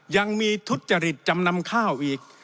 ยังมีทุจริตจำนำข้าวอีก